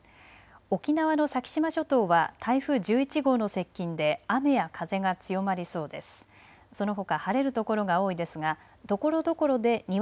沖縄の先島諸島は台風１１号の接近で雨や風が強まりそうです。